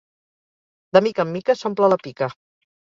De mica en mica s'omple la pica.